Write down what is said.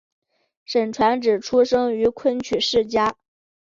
沈传芷出生于昆曲世家。